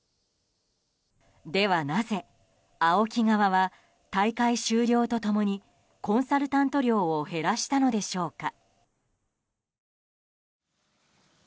ではなぜＡＯＫＩ側は大会終了と共にコンサルタント料を減らしたのでしょうか。